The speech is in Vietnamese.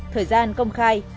thời gian công khai